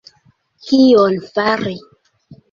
Kion fari?